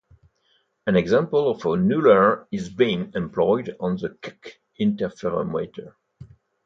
An example of a nuller is being employed on the Keck Interferometer.